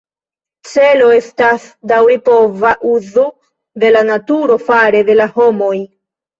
Celo estas daŭripova uzu de la naturo fare de la homoj.